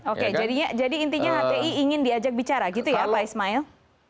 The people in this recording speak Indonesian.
oke jadi intinya hti ingin diajak bicara gitu ya pak ismail